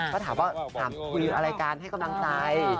เธอถามว่าช่างเกียรติวิธิ์อะไรกันให้กำลังใจ